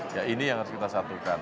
ya ini yang harus kita satukan